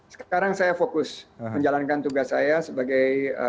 sekarang saya fokus menjalankan tugas saya sebagai